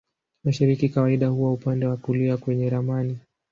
Mashariki kawaida huwa upande wa kulia kwenye ramani.